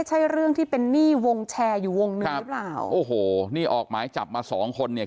ใช่เรื่องที่เป็นหนี้วงแชร์อยู่วงหนึ่งหรือเปล่าโอ้โหนี่ออกหมายจับมาสองคนเนี่ย